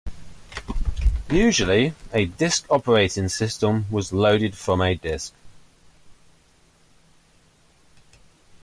Usually, a disk operating system was loaded from a disk.